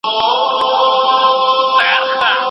استازي د هیواد ملي ګټي ساتي.